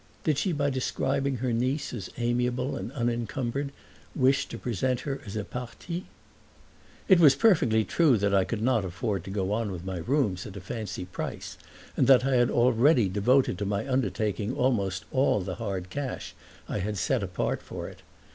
Did she by describing her niece as amiable and unencumbered wish to represent her as a parti? It was perfectly true that I could not afford to go on with my rooms at a fancy price and that I had already devoted to my undertaking almost all the hard cash I had set apart for it.